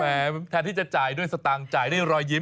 แทนที่จะจ่ายด้วยสตางค์จ่ายด้วยรอยยิ้ม